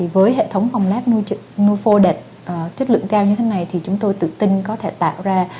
với hệ thống phòng láp nuôi phô đẹp chất lượng cao như thế này thì chúng tôi tự tin có thể tạo ra